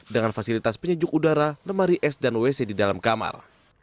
dengan fasilitas penyejuk udara lemari es dan wc di dalam kamar